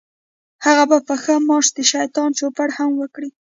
هغه به په ښه معاش د شیطان چوپړ هم وکړي.